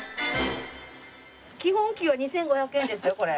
基本給は２５００円ですよこれ。